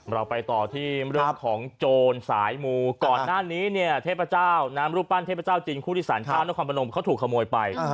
เราไปต่อที่เรื่องของโจรสายมูก่อนหน้านี้เนี่ยเทพเจ้าน้ำรูปปั้นเทพเจ้าจีนคู่ที่สารเจ้านครพนมเขาถูกขโมยไป